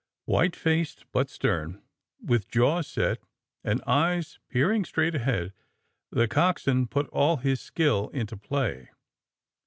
"White faced, but stern, with jaws set, and eyes peering straight ahead, the coxswain put all his skill into play.